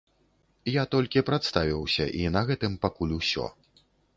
Я толькі прадставіўся, і на гэтым пакуль усё.